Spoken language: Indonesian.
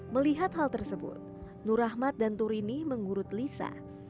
melihat hal tersebut nur rahmat dan turini mengurut lisa